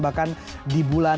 bahkan di bulan